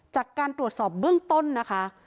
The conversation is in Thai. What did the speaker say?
จากการตรวจสอบเบื้องต้นนะคะ